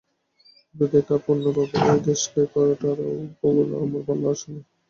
কিন্তু দেখো পূর্ণবাবু, ঐ দেশলাই করা-টরা ওগুলো আমার ভালো আসে না।